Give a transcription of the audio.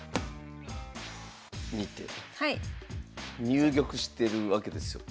入玉してるわけですよ。